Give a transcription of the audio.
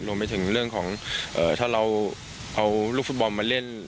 รวมไปถึงเรื่องของถ้าเราเอาลูกฟุตบอลมาเล่น